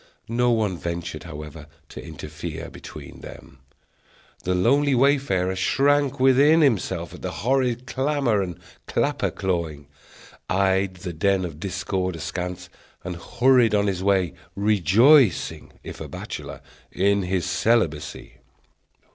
No one ventured, however, to interfere between them. The lonely wayfarer shrank within himself at the horrid clamor and clapper clawing; eyed the den of discord askance; and hurried on his way, rejoicing, if a bachelor, in his celibacy.